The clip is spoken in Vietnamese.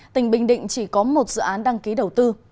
tỉnh bình định chỉ có một dự án đăng ký đầu tư